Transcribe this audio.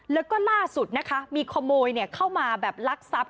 แล้วก็ล่าสุดนะคะมีขโมยเข้ามาแบบลักทรัพย